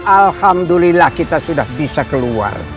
alhamdulillah kita sudah bisa keluar